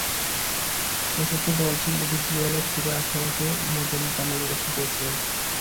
শেষোক্ত দলটি এবিজিএল-এ ফিরে আসার আগে মদন তামাং গঠন করেছিলেন।